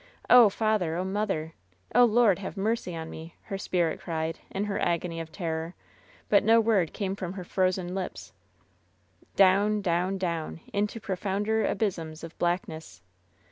Oh, father! Oh, mother! Oh, Lord, have mercy on me!" her spirit cried, in her agony of terror, but no word came from her frozen lips. Down — down — down — into profounder abysms of blackness.